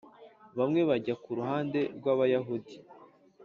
bamwe bajya ku ruhande rw Abayahudi